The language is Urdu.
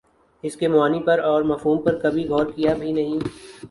اسکے معانی پر اور مفہوم پر کبھی غورکیا بھی نہیں